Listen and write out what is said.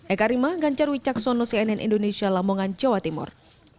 eka rima ganjar wicaksono cnn indonesia lamongan jawa timur